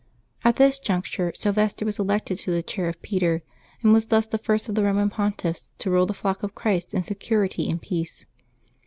At this juncture Syl vester was elected to the chair of Peter, and was thus the first of the Eoman Pontiffs to rule the flock of Christ in security and peace.